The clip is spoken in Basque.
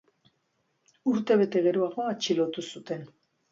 Urtebete geroago atxilotu zuten.